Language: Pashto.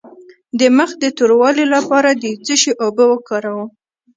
د مخ د توروالي لپاره د څه شي اوبه وکاروم؟